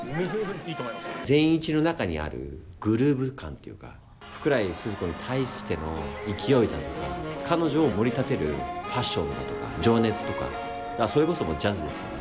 善一の中にあるグルーヴ感というか福来スズ子に対しての勢いだとか彼女をもり立てるパッションだとか情熱とかそれこそジャズですよね